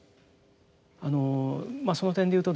あのその点で言うとですね